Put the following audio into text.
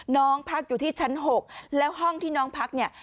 น้องพักอยู่ที่ชั้น๖แล้วห้องที่น้องพักเนี่ย